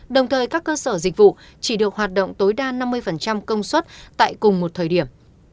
đồng thời các cơ sở dịch vụ chỉ được hoạt động tối đa năm mươi công suất tại cùng một thời điểm